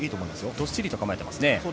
どっしりと構えてますね。